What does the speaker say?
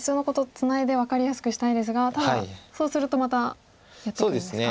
ツナいで分かりやすくしたいですがただそうするとまたやってくるんですか？